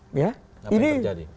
apa yang terjadi